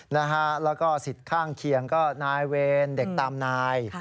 แล้วก็สิทธิ์ข้างเคียงก็นายเวรเด็กตามนาย